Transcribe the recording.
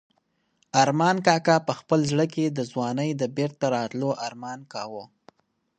ارمان کاکا په خپل زړه کې د ځوانۍ د بېرته راتلو ارمان کاوه.